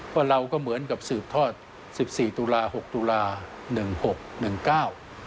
ว่าเราก็เหมือนกับสืบทอด๑๔ตุลาห์๖ตุลาห์๑๖ตุลาห์๑๙